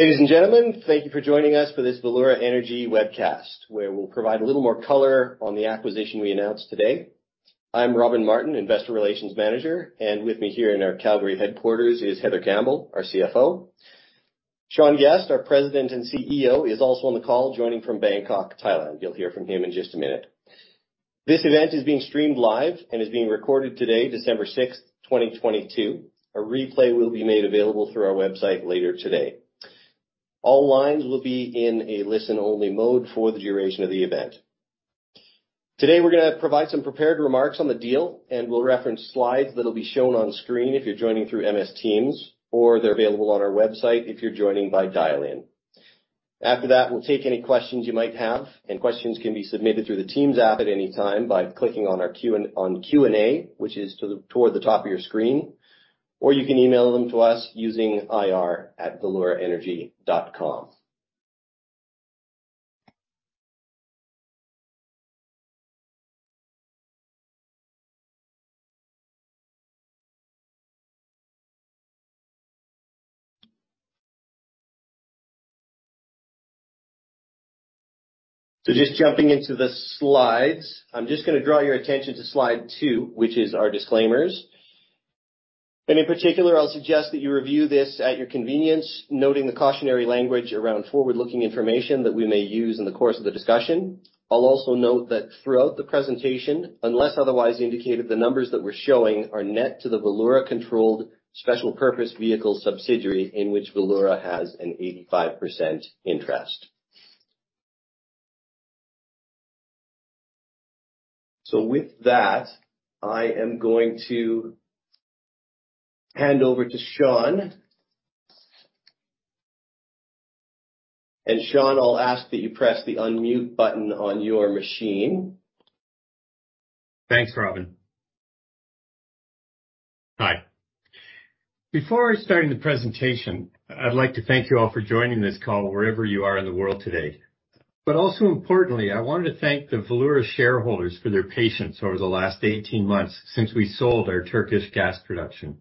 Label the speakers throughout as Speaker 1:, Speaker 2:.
Speaker 1: Ladies and gentlemen, thank you for joining us for this Valeura Energy webcast, where we'll provide a little more color on the acquisition we announced today. I'm Robin Martin, Investor Relations Manager, and with me here in our Calgary headquarters is Heather Campbell, our CFO. Sean Guest, our President and CEO, is also on the call, joining from Bangkok, Thailand. You'll hear from him in just a minute. This event is being streamed live and is being recorded today, December 6th, 2022. A replay will be made available through our website later today. All lines will be in a listen-only mode for the duration of the event. Today, we're going to provide some prepared remarks on the deal, and we'll reference slides that'll be shown on screen if you're joining through Microsoft Teams, or they're available on our website if you're joining by dial-in. After that, we will take any questions you might have, and questions can be submitted through the Teams app at any time by clicking on Q&A, which is toward the top of your screen, or you can email them to us using ir@valeuraenergy.com. Just jumping into the slides. I am just going to draw your attention to slide two, which is our disclaimers. And in particular, I will suggest that you review this at your convenience, noting the cautionary language around forward-looking information that we may use in the course of the discussion. I will also note that throughout the presentation, unless otherwise indicated, the numbers that we are showing are net to the Valeura-controlled special purpose vehicle subsidiary in which Valeura has an 85% interest. With that, I am going to hand over to Sean. Sean, I will ask that you press the unmute button on your machine.
Speaker 2: Thanks, Robin. Hi. Before I start the presentation, I'd like to thank you all for joining this call wherever you are in the world today. Also importantly, I wanted to thank the Valeura shareholders for their patience over the last 18 months since we sold our Turkish gas production.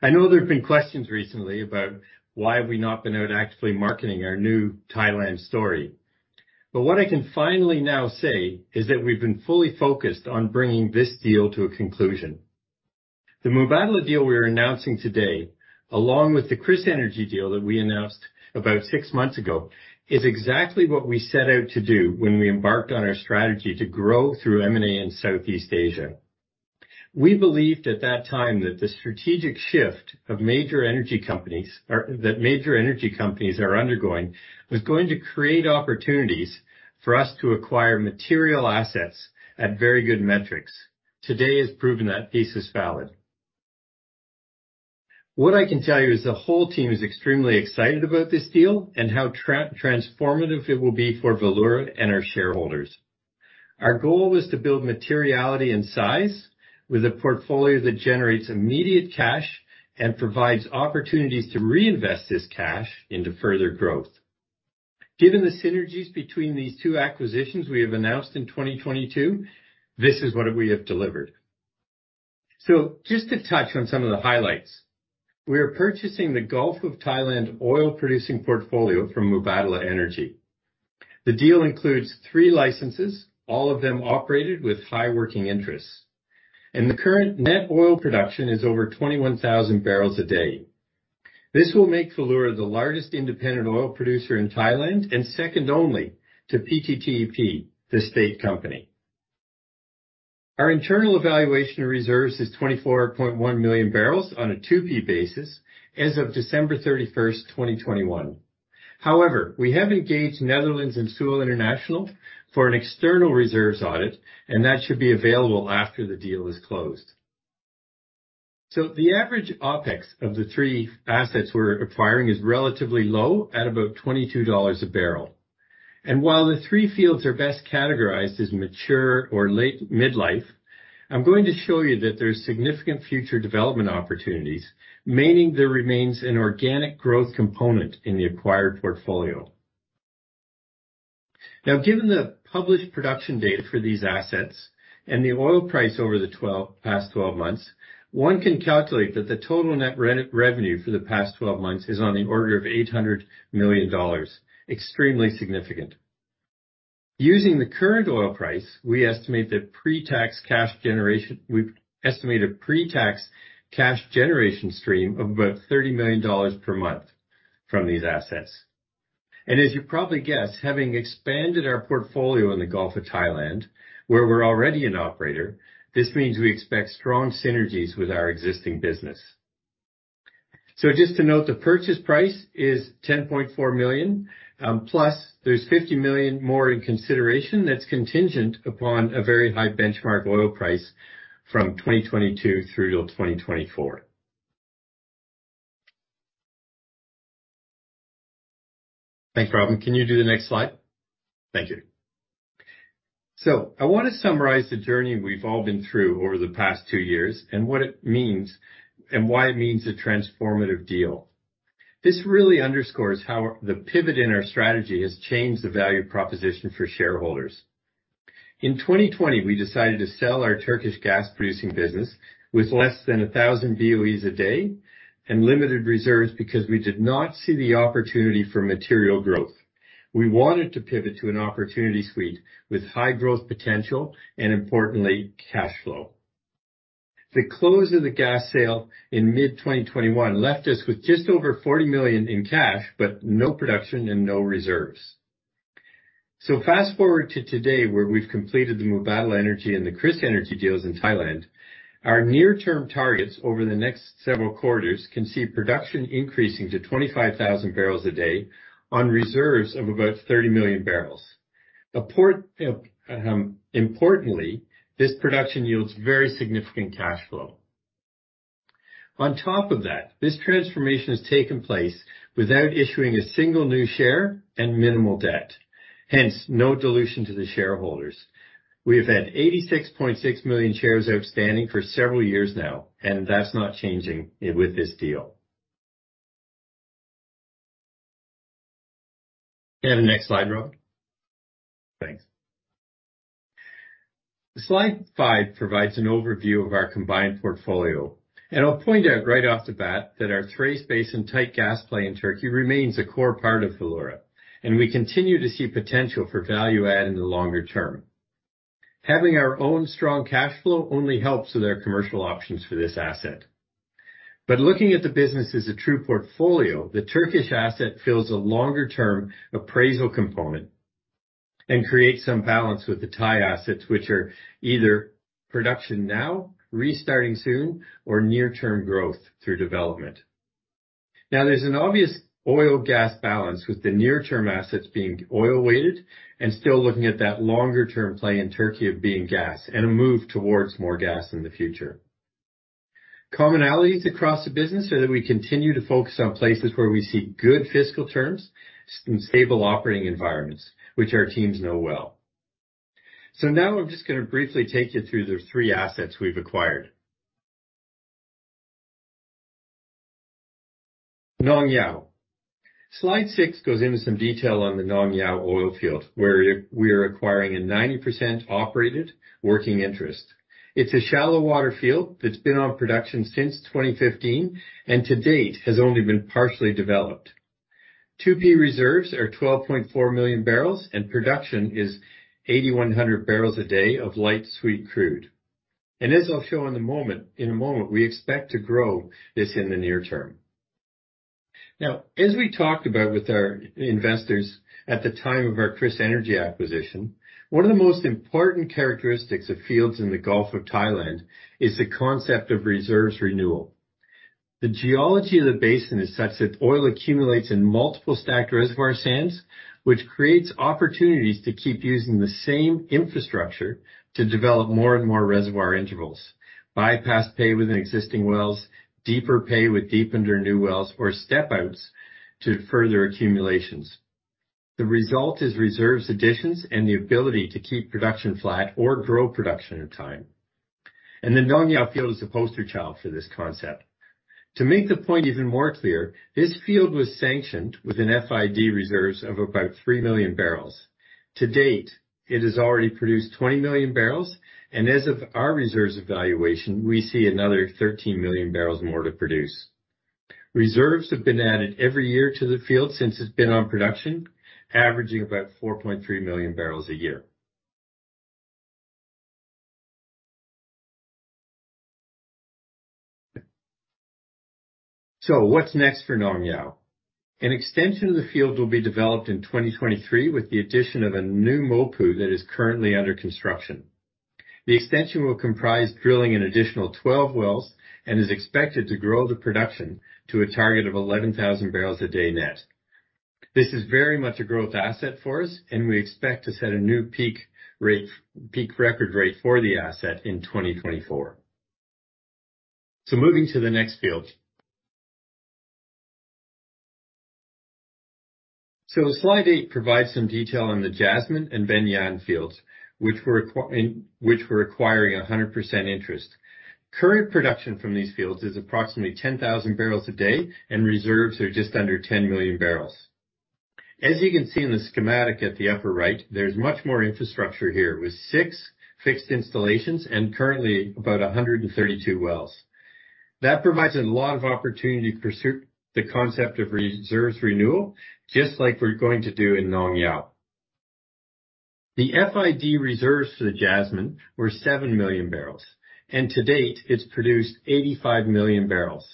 Speaker 2: I know there have been questions recently about why have we not been out actively marketing our new Thailand story. What I can finally now say is that we've been fully focused on bringing this deal to a conclusion. The Mubadala deal we are announcing today, along with the KrisEnergy deal that we announced about six months ago, is exactly what we set out to do when we embarked on our strategy to grow through M&A in Southeast Asia. We believed at that time that the strategic shift that major energy companies are undergoing was going to create opportunities for us to acquire material assets at very good metrics. Today has proven that thesis valid. What I can tell you is the whole team is extremely excited about this deal and how transformative it will be for Valeura and our shareholders. Our goal was to build materiality and size with a portfolio that generates immediate cash and provides opportunities to reinvest this cash into further growth. Given the synergies between these two acquisitions we have announced in 2022, this is what we have delivered. Just to touch on some of the highlights. We are purchasing the Gulf of Thailand oil producing portfolio from Mubadala Energy. The deal includes three licenses, all of them operated with high working interests, and the current net oil production is over 21,000 barrels a day. This will make Valeura the largest independent oil producer in Thailand and second only to PTTEP, the state company. Our internal evaluation of reserves is 24.1 million barrels on a 2P basis as of December 31st, 2021. However, we have engaged Netherland, Sewell & Associates, Inc. for an external reserves audit, and that should be available after the deal is closed. The average OpEx of the three assets we're acquiring is relatively low at about $22 a barrel. While the three fields are best categorized as mature or late midlife, I'm going to show you that there's significant future development opportunities, meaning there remains an organic growth component in the acquired portfolio. Given the published production date for these assets and the oil price over the past 12 months, one can calculate that the total net revenue for the past 12 months is on the order of $800 million. Extremely significant. Using the current oil price, we estimate a pre-tax cash generation stream of about $30 million per month from these assets. As you probably guessed, having expanded our portfolio in the Gulf of Thailand, where we're already an operator, this means we expect strong synergies with our existing business. Just to note, the purchase price is $10.4 million, plus there's $50 million more in consideration that's contingent upon a very high benchmark oil price from 2022 through till 2024. Thanks, Robin. Can you do the next slide? Thank you. I want to summarize the journey we've all been through over the past two years and why it means a transformative deal. This really underscores how the pivot in our strategy has changed the value proposition for shareholders. In 2020, we decided to sell our Turkish gas producing business with less than 1,000 BOEs a day and limited reserves, because we did not see the opportunity for material growth. We wanted to pivot to an opportunity suite with high growth potential, and importantly, cash flow. The close of the gas sale in mid-2021 left us with just over $40 million in cash, but no production and no reserves. Fast-forward to today, where we've completed the Mubadala Energy and the KrisEnergy deals in Thailand. Our near-term targets over the next several quarters can see production increasing to 25,000 barrels a day on reserves of about 30 million barrels. Importantly, this production yields very significant cash flow. On top of that, this transformation has taken place without issuing a single new share and minimal debt, hence no dilution to the shareholders. We have had 86.6 million shares outstanding for several years now, and that's not changing with this deal. Next slide, Rob. Thanks. Slide five provides an overview of our combined portfolio, and I'll point out right off the bat that our Thrace Basin tight gas play in Turkey remains a core part of Valeura, and we continue to see potential for value add in the longer term. Having our own strong cash flow only helps with our commercial options for this asset. Looking at the business as a true portfolio, the Turkish asset fills a longer-term appraisal component and creates some balance with the Thai assets, which are either production now, restarting soon, or near-term growth through development. There's an obvious oil/gas balance with the near-term assets being oil-weighted and still looking at that longer-term play in Turkey of being gas, and a move towards more gas in the future. Commonalities across the business are that we continue to focus on places where we see good fiscal terms and stable operating environments, which our teams know well. Now I'm just going to briefly take you through the three assets we've acquired. Nong Yao. Slide six goes into some detail on the Nong Yao oil field, where we are acquiring a 90% operated working interest. It's a shallow water field that's been on production since 2015, and to date, has only been partially developed. 2P reserves are 12.4 million barrels, and production is 8,100 barrels a day of light sweet crude. As I'll show in a moment, we expect to grow this in the near term. Now, as we talked about with our investors at the time of our KrisEnergy acquisition, one of the most important characteristics of fields in the Gulf of Thailand is the concept of reserves renewal. The geology of the basin is such that oil accumulates in multiple stacked reservoir sands, which creates opportunities to keep using the same infrastructure to develop more and more reservoir intervals. Bypassed pay within existing wells, deeper pay with deep under new wells, or step outs to further accumulations. The result is reserves additions and the ability to keep production flat or grow production in time. The Nong Yao field is the poster child for this concept. To make the point even more clear, this field was sanctioned with an FID reserves of about 3 million barrels. To date, it has already produced 20 million barrels, and as of our reserves evaluation, we see another 13 million barrels more to produce. Reserves have been added every year to the field since it's been on production, averaging about 4.3 million barrels a year. What's next for Nong Yao? An extension of the field will be developed in 2023 with the addition of a new MOPU that is currently under construction. The extension will comprise drilling an additional 12 wells and is expected to grow the production to a target of 11,000 barrels a day net. This is very much a growth asset for us and we expect to set a new peak record rate for the asset in 2024. Moving to the next field. Slide eight provides some detail on the Jasmine and Ban Yen fields, which we're acquiring 100% interest. Current production from these fields is approximately 10,000 barrels a day, and reserves are just under 10 million barrels. As you can see in the schematic at the upper right, there's much more infrastructure here with six fixed installations and currently about 132 wells. That provides a lot of opportunity to pursue the concept of reserves renewal, just like we're going to do in Nong Yao. The FID reserves for the Jasmine were seven million barrels, and to date, it's produced 85 million barrels.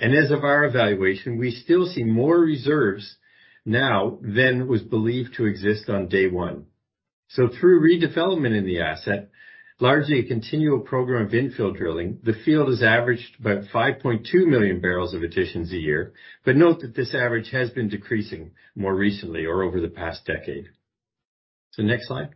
Speaker 2: As of our evaluation, we still see more reserves now than was believed to exist on day one. Through redevelopment in the asset, largely a continual program of infill drilling, the field has averaged about 5.2 million barrels of additions a year. Note that this average has been decreasing more recently or over the past decade. Next slide.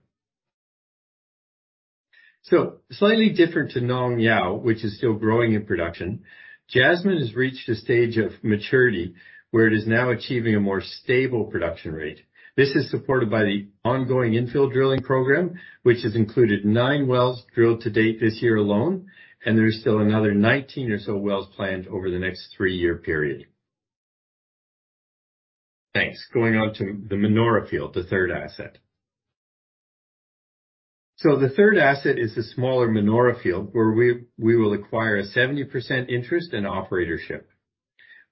Speaker 2: Slightly different to Nong Yao, which is still growing in production, Jasmine has reached a stage of maturity where it is now achieving a more stable production rate. This is supported by the ongoing infill drilling program, which has included nine wells drilled to date this year alone, and there are still another 19 or so wells planned over the next three-year period. Thanks. Going on to the Manora field, the third asset. The third asset is the smaller Manora field, where we will acquire a 70% interest in operatorship.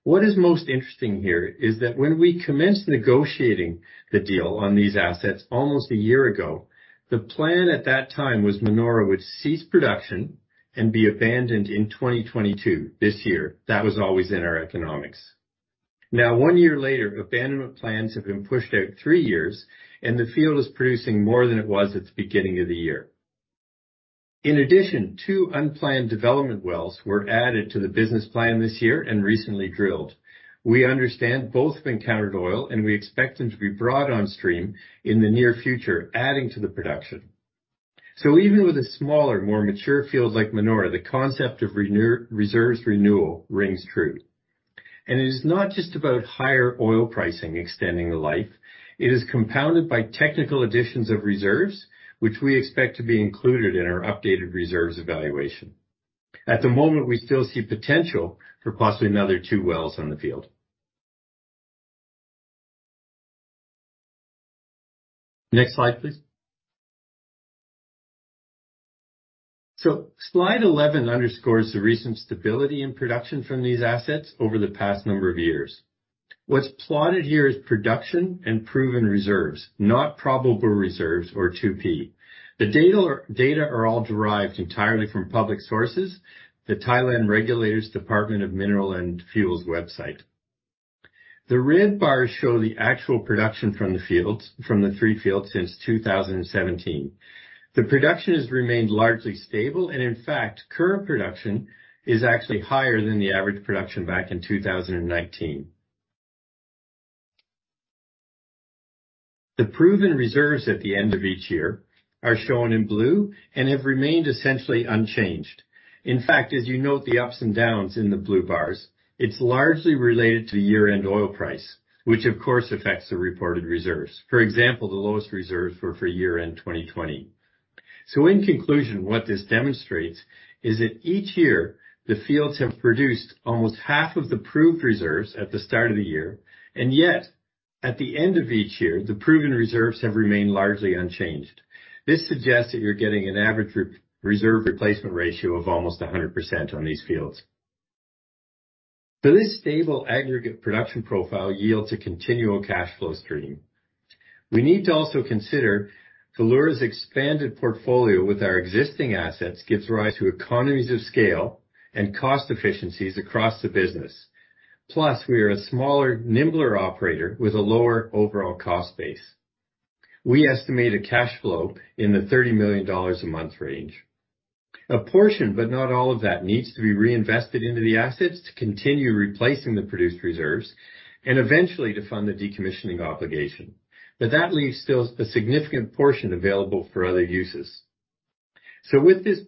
Speaker 2: What is most interesting here is that when we commenced negotiating the deal on these assets almost one year ago, the plan at that time was Manora would cease production and be abandoned in 2022, this year. That was always in our economics. Now, one year later, abandonment plans have been pushed out three years, and the field is producing more than it was at the beginning of the year. In addition, two unplanned development wells were added to the business plan this year and recently drilled. We understand both have encountered oil, and we expect them to be brought on stream in the near future, adding to the production. Even with a smaller, more mature field like Manora, the concept of reserves renewal rings true. It is not just about higher oil pricing extending the life, it is compounded by technical additions of reserves, which we expect to be included in our updated reserves evaluation. At the moment, we still see potential for possibly another two wells on the field. Next slide, please. Slide 11 underscores the recent stability in production from these assets over the past number of years. What's plotted here is production and proven reserves, not probable reserves or 2P. The data are all derived entirely from public sources, the Thailand Regulator's Department of Mineral Fuels website. The red bars show the actual production from the three fields since 2017. The production has remained largely stable, and in fact, current production is actually higher than the average production back in 2019. The proven reserves at the end of each year are shown in blue and have remained essentially unchanged. In fact, as you note the ups and downs in the blue bars, it is largely related to year-end oil price, which of course affects the reported reserves. For example, the lowest reserves were for year-end 2020. In conclusion, what this demonstrates is that each year the fields have produced almost half of the proved reserves at the start of the year, and yet, at the end of each year, the proven reserves have remained largely unchanged. This suggests that you are getting an average reserve replacement ratio of almost 100% on these fields. This stable aggregate production profile yields a continual cash flow stream. We need to also consider Valeura's expanded portfolio with our existing assets gives rise to economies of scale and cost efficiencies across the business. Plus, we are a smaller, nimbler operator with a lower overall cost base. We estimate a cash flow in the $30 million a month range. A portion, but not all of that, needs to be reinvested into the assets to continue replacing the produced reserves and eventually to fund the decommissioning obligation. That leaves still a significant portion available for other uses. With this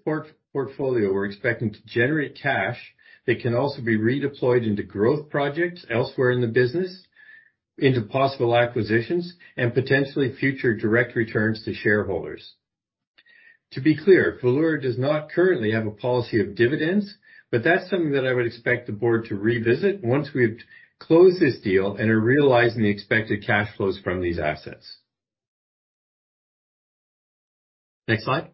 Speaker 2: portfolio, we're expecting to generate cash that can also be redeployed into growth projects elsewhere in the business, into possible acquisitions, and potentially future direct returns to shareholders. To be clear, Valeura does not currently have a policy of dividends, but that's something that I would expect the board to revisit once we have closed this deal and are realizing the expected cash flows from these assets. Next slide.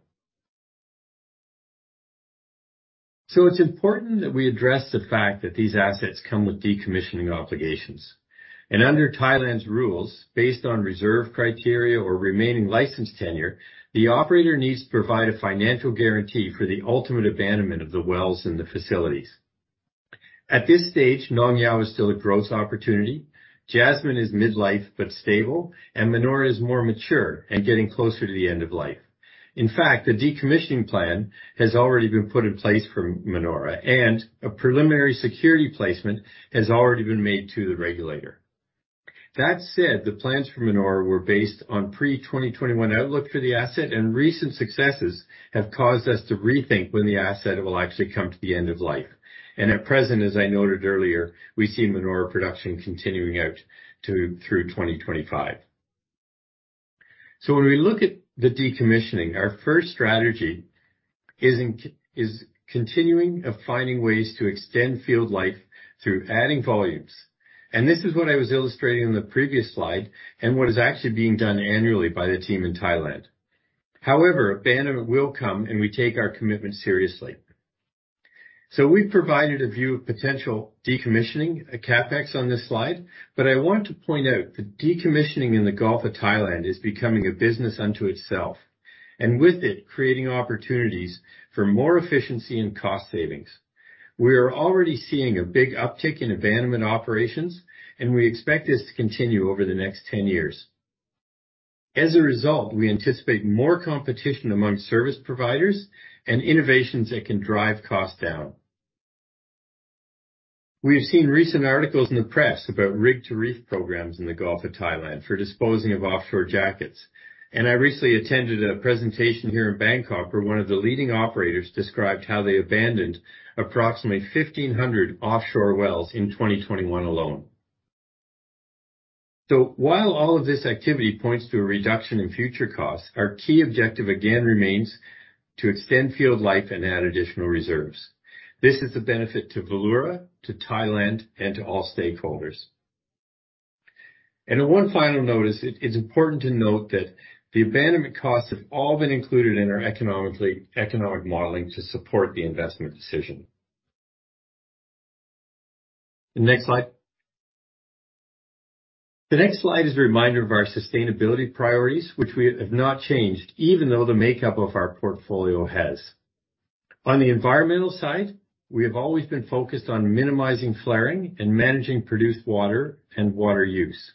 Speaker 2: It's important that we address the fact that these assets come with decommissioning obligations. Under Thailand's rules, based on reserve criteria or remaining license tenure, the operator needs to provide a financial guarantee for the ultimate abandonment of the wells and the facilities. At this stage, Nong Yao is still a growth opportunity, Jasmine is mid-life but stable, and Manora is more mature and getting closer to the end of life. In fact, the decommissioning plan has already been put in place for Manora, and a preliminary security placement has already been made to the regulator. That said, the plans for Manora were based on pre-2021 outlook for the asset, and recent successes have caused us to rethink when the asset will actually come to the end of life. At present, as I noted earlier, we see Manora production continuing out through 2025. When we look at the decommissioning, our first strategy is continuing of finding ways to extend field life through adding volumes. This is what I was illustrating on the previous slide and what is actually being done annually by the team in Thailand. However, abandonment will come, and we take our commitment seriously. We've provided a view of potential decommissioning, a CapEx on this slide. I want to point out that decommissioning in the Gulf of Thailand is becoming a business unto itself, and with it, creating opportunities for more efficiency and cost savings. We are already seeing a big uptick in abandonment operations, and we expect this to continue over the next 10 years. As a result, we anticipate more competition among service providers and innovations that can drive costs down. We have seen recent articles in the press about rigs-to-reefs programs in the Gulf of Thailand for disposing of offshore jackets. I recently attended a presentation here in Bangkok where one of the leading operators described how they abandoned approximately 1,500 offshore wells in 2021 alone. While all of this activity points to a reduction in future costs, our key objective again remains to extend field life and add additional reserves. This is the benefit to Valeura, to Thailand, and to all stakeholders. One final note is. It's important to note that the abandonment costs have all been included in our economic modeling to support the investment decision. Next slide. The next slide is a reminder of our sustainability priorities, which we have not changed even though the makeup of our portfolio has. On the environmental side, we have always been focused on minimizing flaring and managing produced water and water use.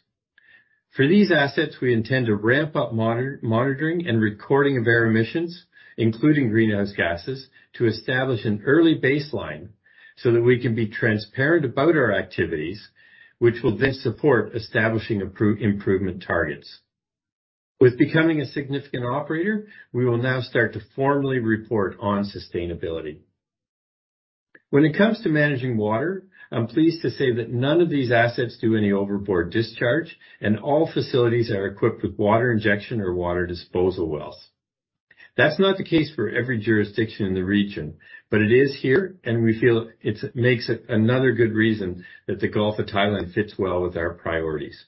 Speaker 2: For these assets, we intend to ramp up monitoring and recording of air emissions, including greenhouse gases, to establish an early baseline so that we can be transparent about our activities, which will then support establishing improvement targets. With becoming a significant operator, we will now start to formally report on sustainability. When it comes to managing water, I'm pleased to say that none of these assets do any overboard discharge, and all facilities are equipped with water injection or water disposal wells. That's not the case for every jurisdiction in the region, but it is here, and we feel it makes it another good reason that the Gulf of Thailand fits well with our priorities.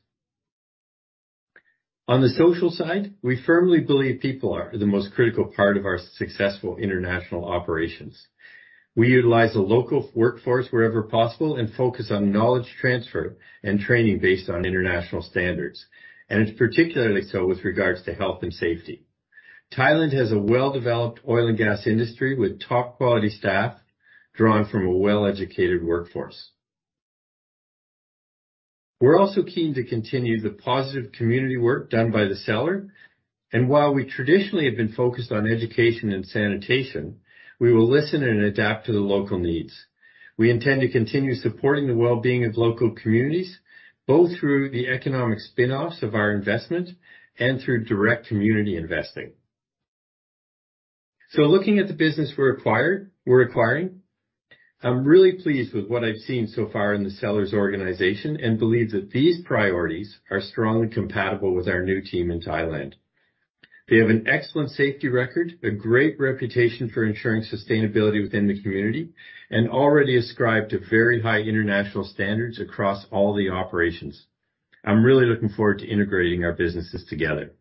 Speaker 2: On the social side, we firmly believe people are the most critical part of our successful international operations. We utilize a local workforce wherever possible and focus on knowledge transfer and training based on international standards, and particularly so with regards to health and safety. Thailand has a well-developed oil and gas industry with top quality staff drawn from a well-educated workforce. We're also keen to continue the positive community work done by the seller, and while we traditionally have been focused on education and sanitation, we will listen and adapt to the local needs. We intend to continue supporting the well-being of local communities, both through the economic spinoffs of our investment and through direct community investing. Looking at the business we're acquiring, I'm really pleased with what I've seen so far in the seller's organization and believe that these priorities are strongly compatible with our new team in Thailand. They have an excellent safety record, a great reputation for ensuring sustainability within the community, and already ascribe to very high international standards across all the operations. I'm really looking forward to integrating our businesses together.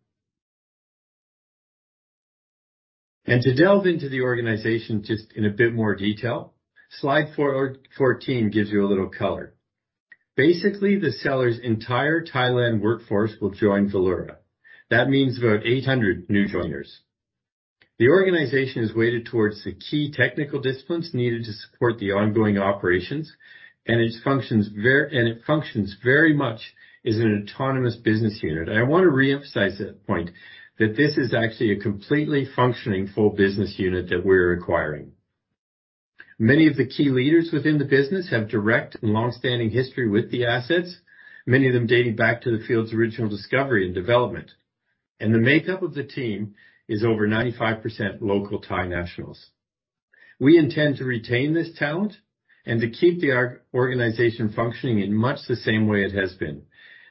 Speaker 2: To delve into the organization just in a bit more detail, slide 14 gives you a little color. Basically, the seller's entire Thailand workforce will join Valeura. That means about 800 new joiners. The organization is weighted towards the key technical disciplines needed to support the ongoing operations, and it functions very much as an autonomous business unit. I want to reemphasize that point, that this is actually a completely functioning, full business unit that we're acquiring. Many of the key leaders within the business have direct and long-standing history with the assets, many of them dating back to the field's original discovery and development. The makeup of the team is over 95% local Thai nationals. We intend to retain this talent and to keep the organization functioning in much the same way it has been.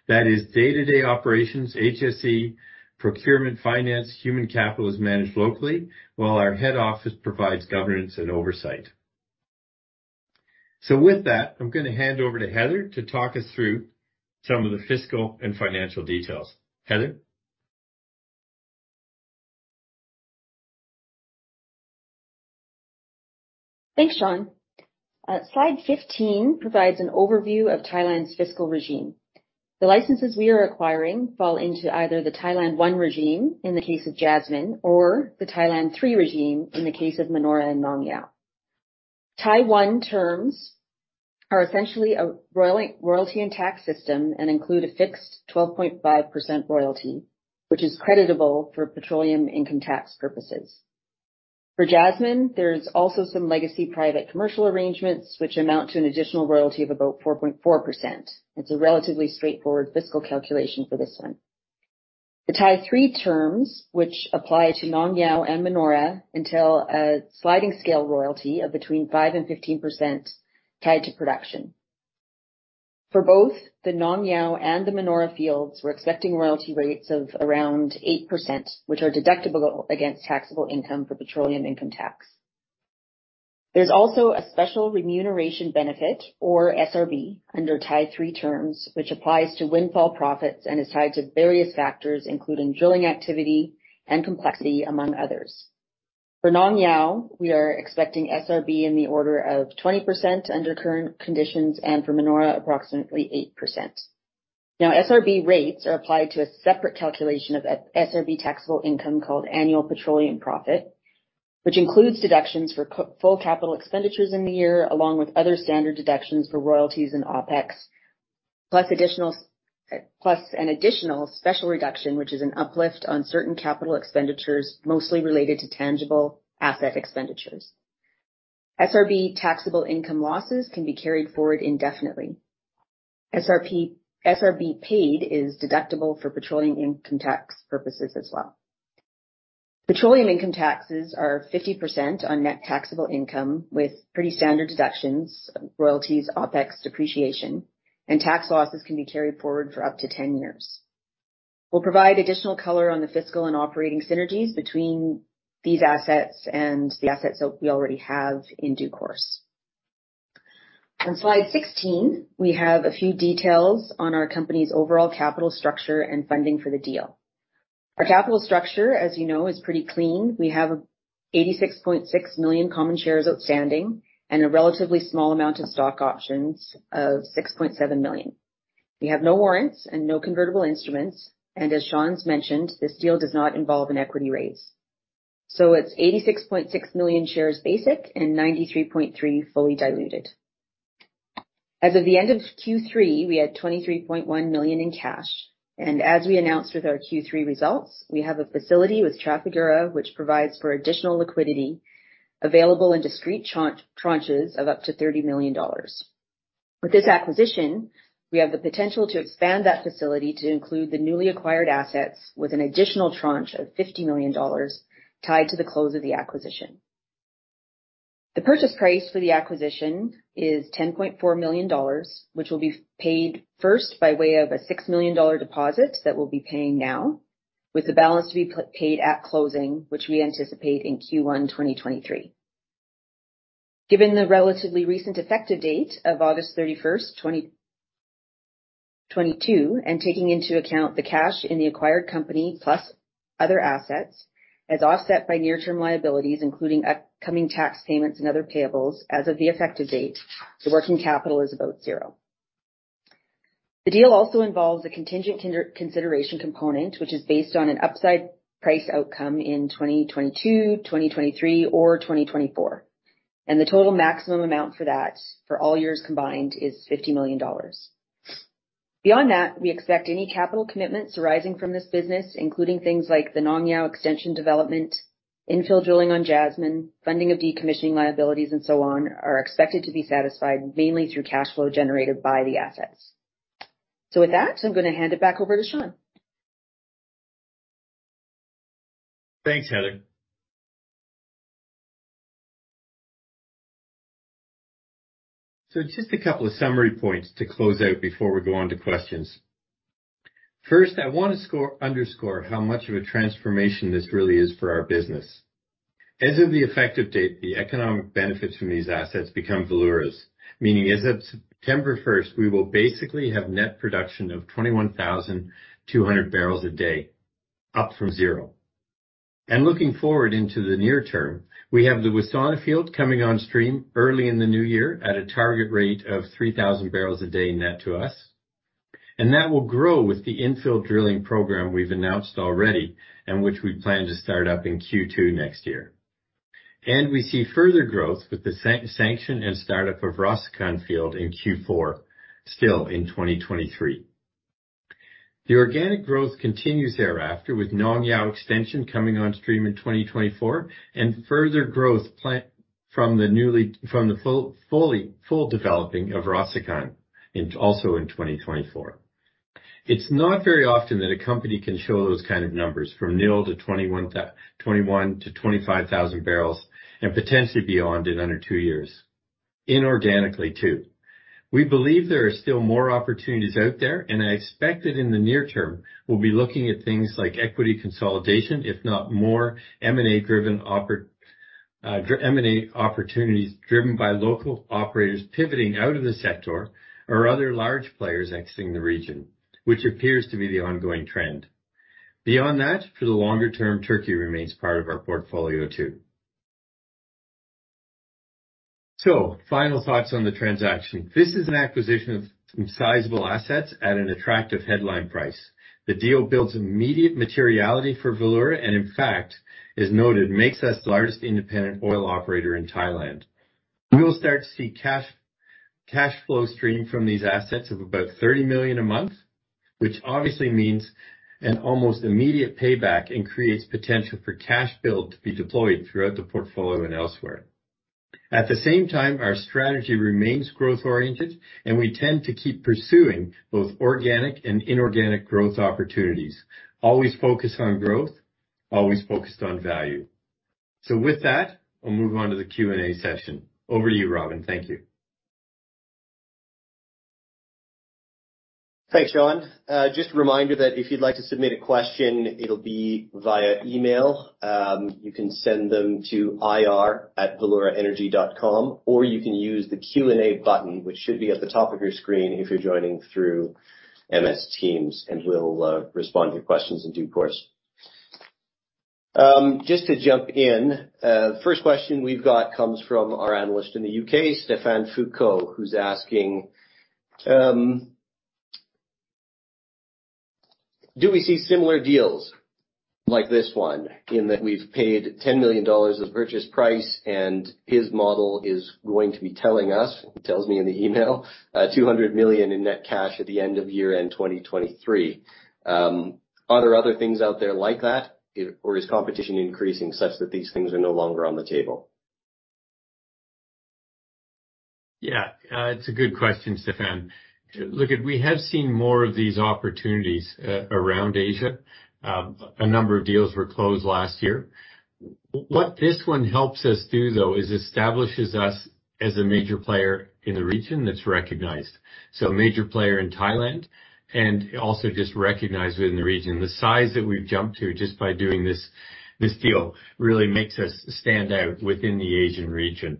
Speaker 2: That is day-to-day operations, HSE, procurement, finance, human capital is managed locally, while our head office provides governance and oversight. With that, I'm going to hand over to Heather to talk us through some of the fiscal and financial details. Heather?
Speaker 3: Thanks, Sean. Slide 15 provides an overview of Thailand's fiscal regime. The licenses we are acquiring fall into either the Thailand I regime, in the case of Jasmine, or the Thailand III regime, in the case of Manora and Nong Yao. Thailand I terms are essentially a royalty and tax system and include a fixed 12.5% royalty, which is creditable for petroleum income tax purposes. For Jasmine, there's also some legacy private commercial arrangements, which amount to an additional royalty of about 4.4%. It's a relatively straightforward fiscal calculation for this one. The Thailand III terms, which apply to Nong Yao and Manora entail a sliding scale royalty of between 5% and 15% tied to production. For both the Nong Yao and the Manora fields, we're expecting royalty rates of around 8%, which are deductible against taxable income for petroleum income tax. There is also a special remuneratory benefit or SRB under Thailand III terms, which applies to windfall profits and is tied to various factors, including drilling activity and complexity, among others. For Nong Yao, we are expecting SRB in the order of 20% under current conditions, and for Manora, approximately 8%. SRB rates are applied to a separate calculation of SRB taxable income called annual petroleum profit, which includes deductions for full capital expenditures in the year, along with other standard deductions for royalties and OpEx, plus an additional special reduction, which is an uplift on certain capital expenditures, mostly related to tangible asset expenditures. SRB taxable income losses can be carried forward indefinitely. SRB paid is deductible for petroleum income tax purposes as well. Petroleum income taxes are 50% on net taxable income, with pretty standard deductions, royalties, OpEx, depreciation, and tax losses can be carried forward for up to 10 years. We'll provide additional color on the fiscal and operating synergies between these assets and the assets that we already have in due course. On slide 16, we have a few details on our company's overall capital structure and funding for the deal. Our capital structure, as you know, is pretty clean. We have 86.6 million common shares outstanding and a relatively small amount of stock options of 6.7 million. We have no warrants and no convertible instruments, and as Sean's mentioned, this deal does not involve an equity raise. So it's 86.6 million shares basic and 93.3 fully diluted. As of the end of Q3, we had $23.1 million in cash, and as we announced with our Q3 results, we have a facility with Trafigura which provides for additional liquidity available in discrete tranches of up to $30 million. With this acquisition, we have the potential to expand that facility to include the newly acquired assets with an additional tranche of $50 million tied to the close of the acquisition. The purchase price for the acquisition is $10.4 million, which will be paid first by way of a $6 million deposit that we'll be paying now, with the balance to be paid at closing, which we anticipate in Q1 2023. Given the relatively recent effective date of August 31st, 2022, and taking into account the cash in the acquired company plus other assets as offset by near-term liabilities, including upcoming tax payments and other payables as of the effective date, the working capital is about zero. The deal also involves a contingent consideration component, which is based on an upside price outcome in 2022, 2023, or 2024. The total maximum amount for that for all years combined is $50 million. Beyond that, we expect any capital commitments arising from this business, including things like the Nong Yao extension development, infill drilling on Jasmine, funding of decommissioning liabilities, and so on, are expected to be satisfied mainly through cash flow generated by the assets. With that, I'm going to hand it back over to Sean.
Speaker 2: Thanks, Heather. Just a couple of summary points to close out before we go on to questions. First, I want to underscore how much of a transformation this really is for our business. As of the effective date, the economic benefits from these assets become Valeura's, meaning as of September 1st, we will basically have net production of 21,200 barrels a day, up from zero. Looking forward into the near term, we have the Wassana field coming on stream early in the new year at a target rate of 3,000 barrels a day net to us. That will grow with the infill drilling program we've announced already and which we plan to start up in Q2 next year. We see further growth with the sanction and start-up of Rossukon field in Q4, still in 2023. The organic growth continues thereafter with Nong Yao extension coming on stream in 2024 and further growth from the full developing of Rossukon, also in 2024. It's not very often that a company can show those kind of numbers from nil to 21 to 25,000 barrels and potentially beyond in under two years. Inorganically, too. We believe there are still more opportunities out there, and I expect that in the near term, we'll be looking at things like equity consolidation, if not more M&A opportunities driven by local operators pivoting out of the sector or other large players exiting the region, which appears to be the ongoing trend. Beyond that, for the longer term, Turkey remains part of our portfolio, too. Final thoughts on the transaction. This is an acquisition of some sizable assets at an attractive headline price. The deal builds immediate materiality for Valeura. In fact, as noted, makes us the largest independent oil operator in Thailand. We will start to see cash flow streaming from these assets of about $30 million a month, which obviously means an almost immediate payback and creates potential for cash build to be deployed throughout the portfolio and elsewhere. At the same time, our strategy remains growth-oriented. We tend to keep pursuing both organic and inorganic growth opportunities. Always focused on growth, always focused on value. With that, I'll move on to the Q&A session. Over to you, Robin. Thank you.
Speaker 1: Thanks, Sean. Just a reminder that if you'd like to submit a question, it'll be via email. You can send them to ir@valeuraenergy.com, or you can use the Q&A button, which should be at the top of your screen if you're joining through Microsoft Teams. We'll respond to your questions in due course. Just to jump in, first question we've got comes from our analyst in the U.K., Stephane Foucaud, who's asking, do we see similar deals like this one in that we've paid $10 million of purchase price and his model is going to be telling us, he tells me in the email, $200 million in net cash at the end of year-end 2023. Are there other things out there like that? Is competition increasing such that these things are no longer on the table?
Speaker 2: Yeah. It's a good question, Stephane. Look, we have seen more of these opportunities around Asia. A number of deals were closed last year. What this one helps us do, though, is establishes us as a major player in the region that's recognized, a major player in Thailand, and also just recognized within the region. The size that we've jumped to just by doing this deal really makes us stand out within the Asian region.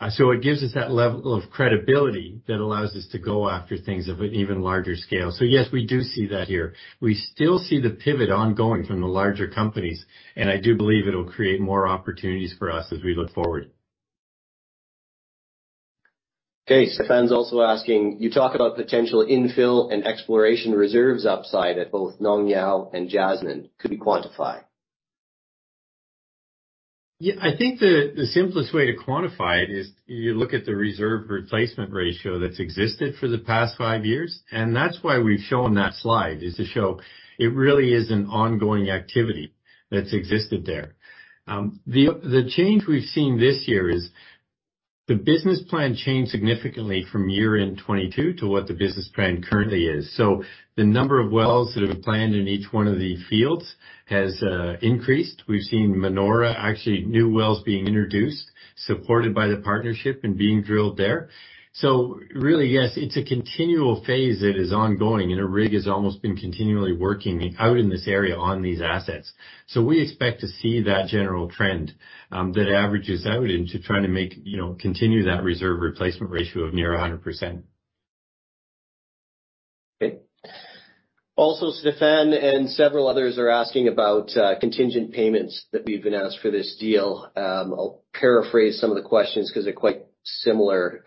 Speaker 2: It gives us that level of credibility that allows us to go after things of an even larger scale. Yes, we do see that here. We still see the pivot ongoing from the larger companies, and I do believe it'll create more opportunities for us as we look forward.
Speaker 1: Stephane's also asking, you talk about potential infill and exploration reserves upside at both Nong Yao and Jasmine. Could we quantify?
Speaker 2: The simplest way to quantify it is you look at the reserve replacement ratio that's existed for the past five years, and that's why we've shown that slide, is to show it really is an ongoing activity that's existed there. The change we've seen this year is the business plan changed significantly from year-end 2022 to what the business plan currently is. The number of wells that have been planned in each one of the fields has increased. We've seen Manora, actually new wells being introduced, supported by the partnership and being drilled there. Really, yes, it's a continual phase that is ongoing, and a rig has almost been continually working out in this area on these assets. We expect to see that general trend, that averages out into trying to continue that reserve replacement ratio of near 100%.
Speaker 1: Okay. Also Stephane and several others are asking about contingent payments that we've been asked for this deal. I'll paraphrase some of the questions because they're quite similar.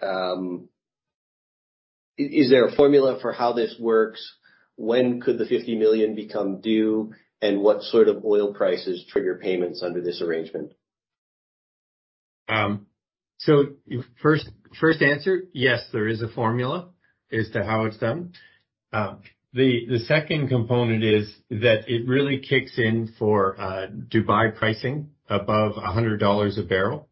Speaker 1: Is there a formula for how this works? When could the $50 million become due? What sort of oil prices trigger payments under this arrangement?
Speaker 2: First answer, yes, there is a formula as to how it's done. The second component is that it really kicks in for Dubai pricing above $100 a barrel.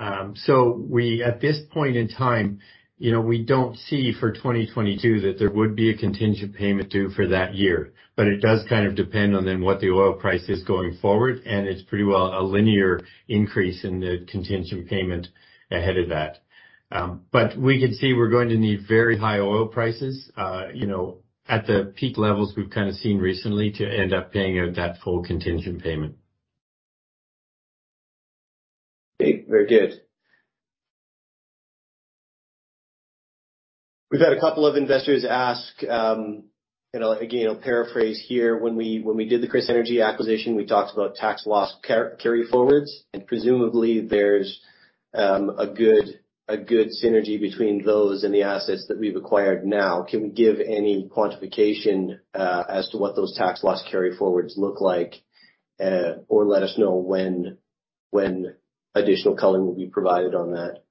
Speaker 2: At this point in time, we don't see for 2022 that there would be a contingent payment due for that year. It does kind of depend on then what the oil price is going forward, and it's pretty well a linear increase in the contingent payment ahead of that. We can see we're going to need very high oil prices, at the peak levels we've seen recently to end up paying out that full contingent payment.
Speaker 1: Okay. Very good. We've had a couple of investors ask, and again, I'll paraphrase here, when we did the KrisEnergy acquisition, we talked about tax loss carry-forwards, and presumably there's a good synergy between those and the assets that we've acquired now. Can we give any quantification as to what those tax loss carry-forwards look like? Or let us know when additional coloring will be provided on that.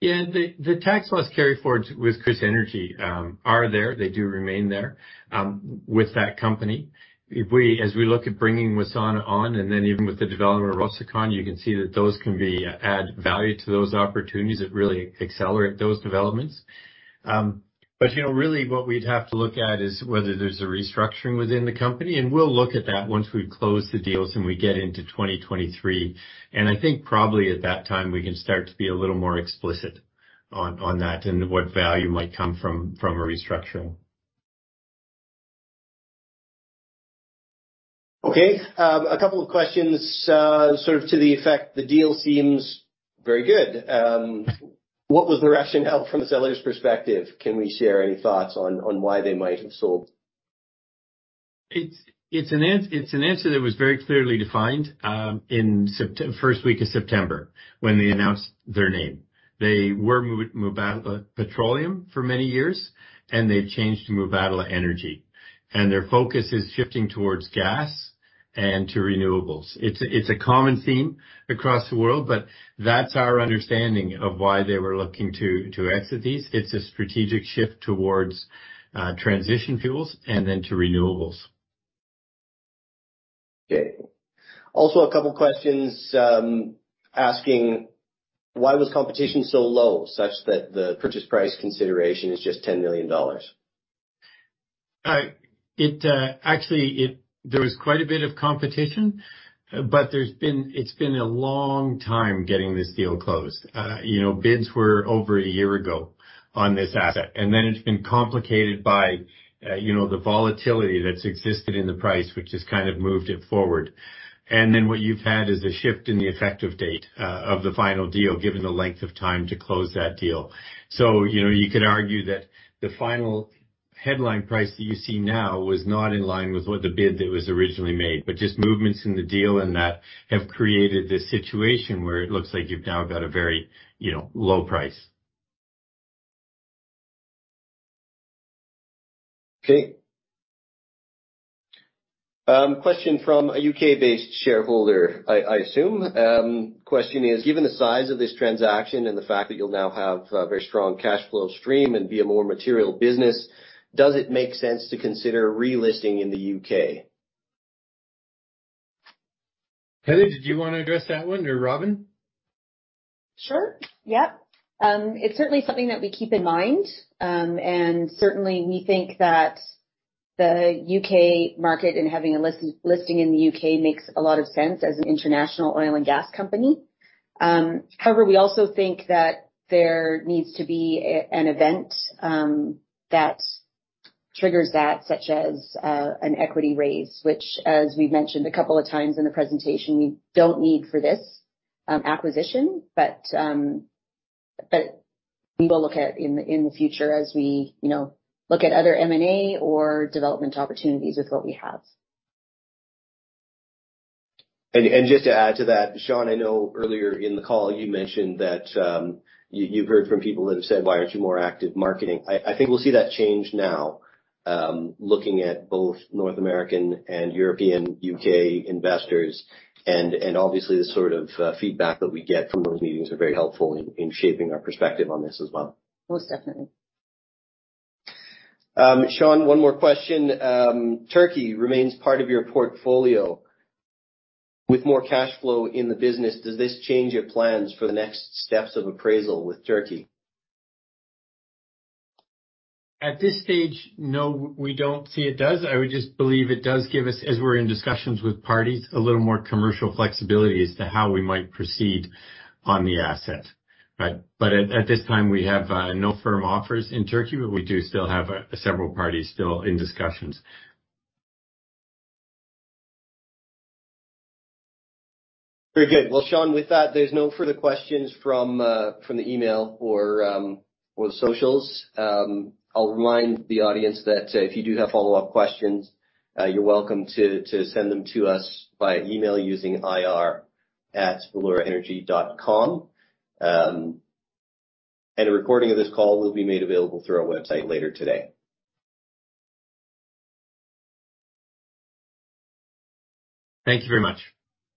Speaker 2: Yeah. The tax loss carry-forwards with KrisEnergy are there. They do remain there with that company. As we look at bringing Wassana on, and then even with the development of Rossukon, you can see that those can add value to those opportunities that really accelerate those developments. Really what we'd have to look at is whether there's a restructuring within the company, and we'll look at that once we've closed the deals and we get into 2023. I think probably at that time, we can start to be a little more explicit on that and what value might come from a restructuring.
Speaker 1: Okay. A couple of questions, sort of to the effect, the deal seems very good. What was the rationale from the seller's perspective? Can we share any thoughts on why they might have sold?
Speaker 2: It's an answer that was very clearly defined in first week of September when they announced their name. They were Mubadala Petroleum for many years, they changed to Mubadala Energy. Their focus is shifting towards gas and to renewables. It's a common theme across the world, that's our understanding of why they were looking to exit these. It's a strategic shift towards transition fuels and then to renewables.
Speaker 1: Okay. Also a couple questions, asking why was competition so low such that the purchase price consideration is just $10 million?
Speaker 2: Actually, there was quite a bit of competition, but it's been a long time getting this deal closed. Bids were over a year ago on this asset, it's been complicated by the volatility that's existed in the price, which has moved it forward. What you've had is the shift in the effective date of the final deal, given the length of time to close that deal. You could argue that the final headline price that you see now was not in line with what the bid that was originally made. Just movements in the deal and that have created this situation where it looks like you've now got a very low price.
Speaker 1: Okay. Question from a U.K.-based shareholder, I assume. Question is, given the size of this transaction and the fact that you'll now have a very strong cash flow stream and be a more material business, does it make sense to consider relisting in the U.K.? Heather Campbell, did you want to address that one or Robin?
Speaker 3: Sure. Yep. It's certainly something that we keep in mind, and certainly we think that the U.K. market and having a listing in the U.K. makes a lot of sense as an international oil and gas company. We also think that there needs to be an event that triggers that, such as an equity raise, which, as we've mentioned a couple of times in the presentation, we don't need for this acquisition. We will look at in the future as we look at other M&A or development opportunities with what we have.
Speaker 1: Just to add to that, Sean, I know earlier in the call you mentioned that you've heard from people that have said, "Why aren't you more active marketing?" I think we'll see that change now, looking at both North American and European U.K. investors. Obviously, the sort of feedback that we get from those meetings are very helpful in shaping our perspective on this as well.
Speaker 2: Most definitely.
Speaker 1: Sean, one more question. Turkey remains part of your portfolio. With more cash flow in the business, does this change your plans for the next steps of appraisal with Turkey?
Speaker 2: At this stage, no, we don't see it does. I would just believe it does give us, as we're in discussions with parties, a little more commercial flexibility as to how we might proceed on the asset. Right. At this time, we have no firm offers in Turkey, but we do still have several parties still in discussions.
Speaker 1: Very good. Well, Sean, with that, there's no further questions from the email or the socials. I'll remind the audience that if you do have follow-up questions, you're welcome to send them to us by email using ir@valeuraenergy.com. A recording of this call will be made available through our website later today. Thank you very much.